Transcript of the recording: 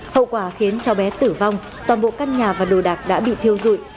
hậu quả khiến cháu bé tử vong toàn bộ căn nhà và đồ đạc đã bị thiêu dụi